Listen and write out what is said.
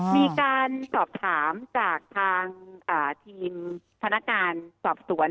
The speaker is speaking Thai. มีการสอบถามจากทางทีมพนักงานสอบสวน